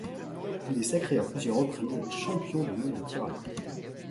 Il est sacré à plusieurs reprises champion du monde de tir à l'arc.